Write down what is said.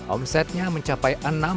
omsetnya mencapai rp enam puluh